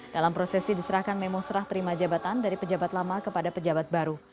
dalam prosesi diserahkan memo serah terima jabatan dari pejabat lama kepada pejabat baru